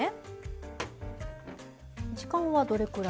時間はどれくらい？